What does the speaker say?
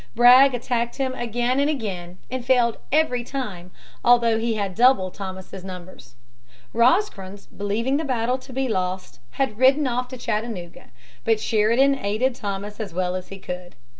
Bragg attacked him again and again, and failed every time, although he had double Thomas's numbers. Rosecrans, believing the battle to be lost, had ridden off to Chattanooga, but Sheridan aided Thomas as well as he could.